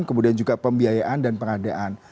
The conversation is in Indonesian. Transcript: kemudian juga pembiayaan dan pengadaan